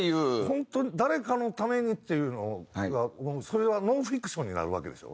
本当に誰かのためにっていうのはもうそれはノンフィクションになるわけでしょ？